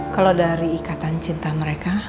kalau dari ikatan cinta mereka